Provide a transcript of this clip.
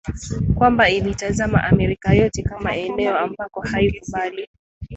kwamba ilitazama Amerika yote kama eneo ambako haikubali